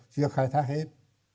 chưa khai thác hết